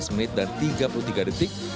lima belas menit dan tiga puluh tiga detik